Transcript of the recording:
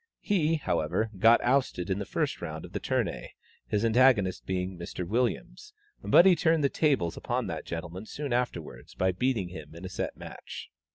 He, however, got ousted in the first round of the tournay, his antagonist being Mr. Williams, but he turned the tables upon that gentleman soon afterwards, by beating him in a set match.